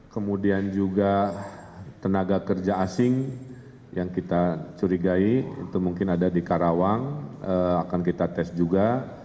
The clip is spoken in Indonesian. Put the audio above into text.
kemudian juga tenaga kerja asing yang kita curigai itu mungkin ada di karawang akan kita tes juga